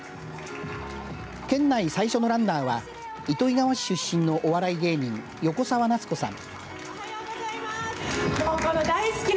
県内最初のランナーは糸魚川市出身のお笑い芸人、横澤夏子さん。